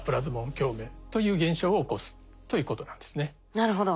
なるほど。